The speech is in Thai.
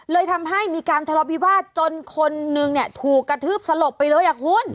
เลยทำให้มีการทลอบวิวาสจนคนหนึ่งถูกกระทืบสลบไปเลยอะครูน